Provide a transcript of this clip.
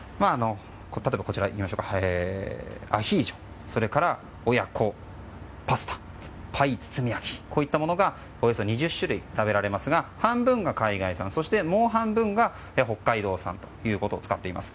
例えば、アヒージョそれから親子パスタパイ包み焼きといったものがおよそ２０種類食べられますが半分が海外産そしてもう半分が北海道産を使っています。